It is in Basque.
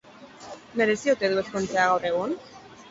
Merezi ote du ezkontzea gaur egun?